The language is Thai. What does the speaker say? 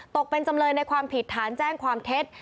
ตกเป็นจำเลยในความผิดฐานแจ้งความเท็จ